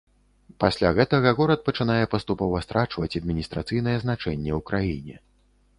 Пасля гэтага горад пачынае паступова страчваць адміністрацыйнае значэнне ў краіне.